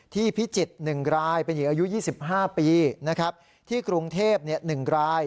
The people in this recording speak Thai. ที่พิจิตย์หนึ่งรายเป็นหญิงอายุยี่สิบห้าปีนะครับที่กรุงเทพย์เนี่ยหนึ่งราย